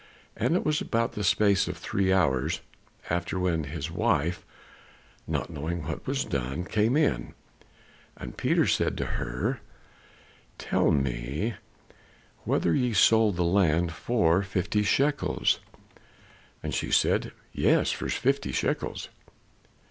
And it was about the space of three hours after when his wife, not knowing what was done, came in. And Peter said to her, "Tell me whether ye sold the land for fifty shekels?" And she said, "Yes, for fifty shekels."